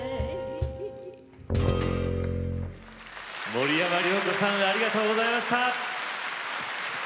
森山良子さんありがとうございました。